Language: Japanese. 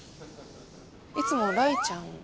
いつも雷ちゃん。